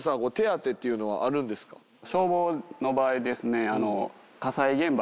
消防の場合ですね。